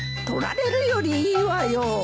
取られるよりいいわよ。